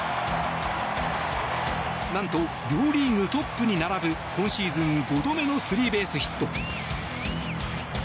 何と両リーグトップに並ぶ今シーズン５度目のスリーベースヒット。